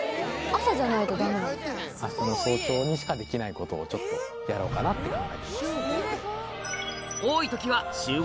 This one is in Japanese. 明日の早朝にしかできないことをちょっとやろうかなって考えてます。